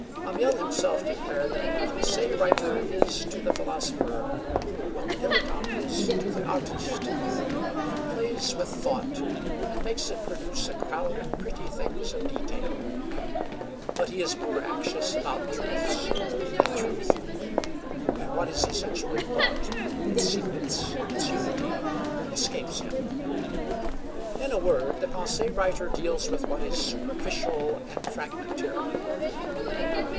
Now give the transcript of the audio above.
Amiel himself declared that "the pensée writer is to the philosopher what the dilettante is to the artist. He plays with thought, and makes it produce a crowd of pretty things of detail; but he is more anxious about truths than truth, and what is essential in thought, its sequence, its unity, escapes him.... In a word, the pensée writer deals with what is superficial and fragmentary."